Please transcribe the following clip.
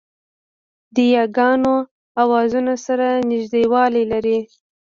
د یاګانو آوازونه سره نږدېوالی لري